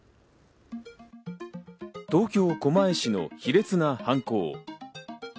東京・狛江市の卑劣な犯行。